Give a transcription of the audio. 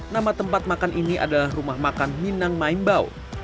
nama tempat makan ini adalah rumah makan minang maimbau